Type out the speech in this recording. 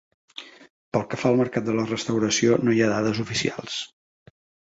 Pel que fa al mercat de la restauració, no hi ha dades oficials.